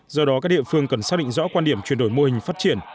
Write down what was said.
do đó các địa phương cần xác định rõ quan điểm chuyển đổi mô hình phát triển